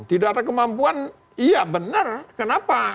tidak ada kemampuan iya benar kenapa